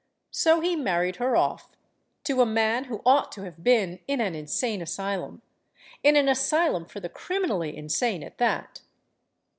So he married her off to a man who ought to have been in an insane asylum; in an asylum for the criminally insane, at that.